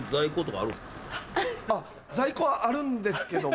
あっ在庫はあるんですけども。